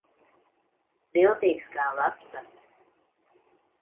Viltīgs kā lapsa.